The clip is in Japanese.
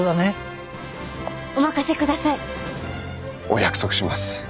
お約束します。